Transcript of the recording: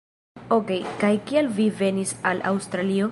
Okej, kaj kial vi venis al Aŭstralio?